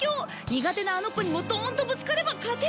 「苦手なあの子にもドーンとぶつかれば勝てる！」